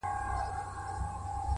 • لكه برېښنا؛